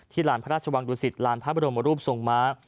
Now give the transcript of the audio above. หลานพระราชวังดุสิตลานพระบรมรูปทรงม้า